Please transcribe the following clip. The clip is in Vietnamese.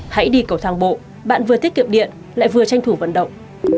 hãy đi cầu thang bộ bạn vừa tiết kiệm điện lại vừa tranh thủ vận động